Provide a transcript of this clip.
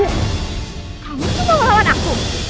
kamu semua lawan aku